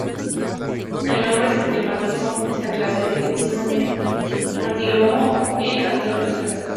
El nombre sistemático de esta clase de enzimas es "arsenito:citocromo c oxidorreductasa".